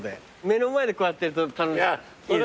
目の前でこうやってやると楽しい。